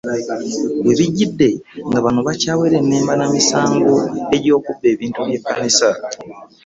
Webijjidde nga bano bakyawerennemba na misango egy'okubba ebintu by'ekkanisa